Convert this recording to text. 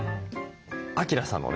晃さんのね